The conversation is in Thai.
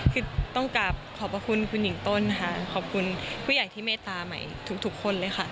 คือต้องกลับขอบพระคุณคุณหญิงต้นค่ะขอบคุณผู้ใหญ่ที่เมตตาใหม่ทุกคนเลยค่ะ